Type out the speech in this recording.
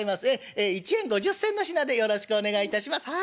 １円５０銭の品でよろしくお願いいたしますはい。